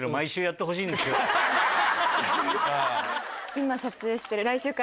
今撮影してる。